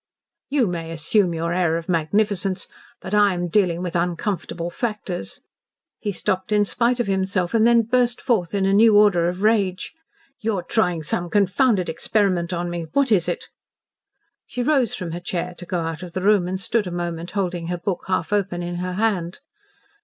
"You may assume your air of magnificence, but I am dealing with uncomfortable factors." He stopped in spite of himself, and then burst forth in a new order of rage. "You are trying some confounded experiment on me. What is it?" She rose from her chair to go out of the room, and stood a moment holding her book half open in her hand.